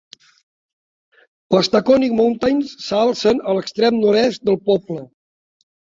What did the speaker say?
Les Taconic Mountains s'alcen a l'extrem nord-est del poble.